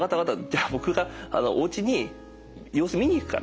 じゃあ僕がおうちに様子見に行くから。